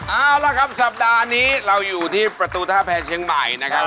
เอาละครับสัปดาห์นี้เราอยู่ที่ประตูท่าแพรเชียงใหม่นะครับ